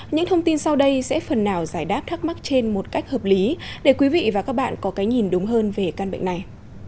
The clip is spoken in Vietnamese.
những thông tin sau đây sẽ phần nào giải đáp thắc mắc trên một cách hợp lý để quý vị và các bạn có cái nhìn đúng hơn về căn bệnh này